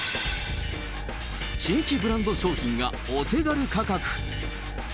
地域ブランド商品がお手軽価格。